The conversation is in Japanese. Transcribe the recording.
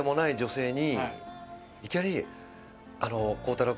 いきなり。